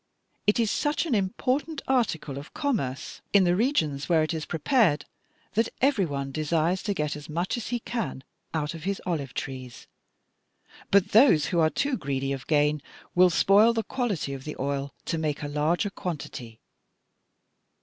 It is such an important article of commerce in the regions where it is prepared that every one desires to get as much as he can out of his olive trees, but those who are too greedy of gain will spoil the quality of the oil to make a larger quantity.